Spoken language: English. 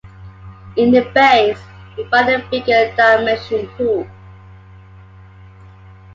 In the base, we find a bigger dimension pool.